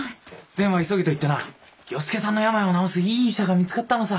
「善は急げ」と言ってな与助さんの病を治すいい医者が見つかったのさ。